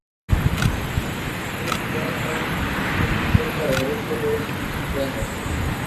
Se sitúan varios municipios muy cerca del bosque de Vincennes.